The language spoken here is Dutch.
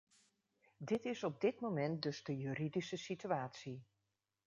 Dit is op dit moment dus de juridische situatie.